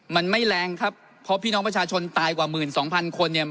มันไม่แรงครับเพราะพี่น้องประชาชนตายกว่าหมื่นสองพันคนเนี่ย